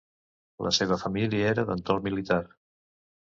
La seva família era d'entorn militar.